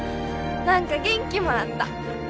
何か元気もらった。